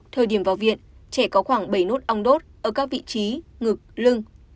thời điểm vào viện trẻ có khoảng bảy nốt ong đốt ở các vị trí ngực lưng